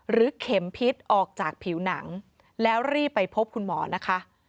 เข็มพิษออกจากผิวหนังแล้วรีบไปพบคุณหมอนะคะ